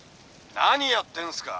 「何やってんすか？」。